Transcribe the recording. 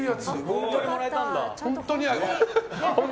本当にもらえたんだ。